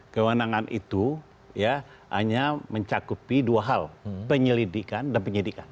kewenangan itu ya hanya mencakupi dua hal penyelidikan dan penyidikan